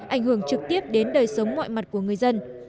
ảnh hưởng trực tiếp đến đời sống mọi mặt của người dân